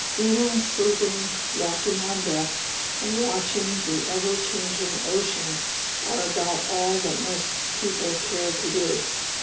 Eating, sleeping, walking on deck, and watching the ever changing ocean are about all that most people care to do.